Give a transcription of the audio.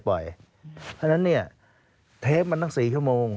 เพราะฉะนั้นเนี่ยเทปมันตั้ง๔ชั่วโมง